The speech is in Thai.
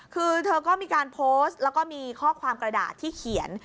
คือเธอก็มีการโพสต์แล้วก็มีข้อความกระดาษที่เขียน